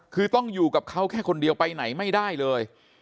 คือต้องอยู่กับเขาแค่คนเดียวไปไหนไม่ได้เลย